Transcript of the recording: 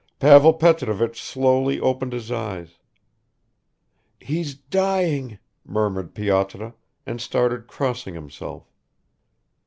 Pavel Petrovich slowly opened his eyes. "He's dying," murmured Pyotr and started crossing himself.